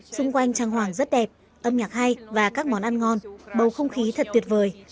xung quanh trang hoàng rất đẹp âm nhạc hay và các món ăn ngon bầu không khí thật tuyệt vời